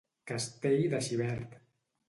Castell de Xivert